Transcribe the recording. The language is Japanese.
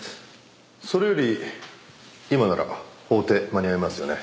それより今なら法廷間に合いますよね？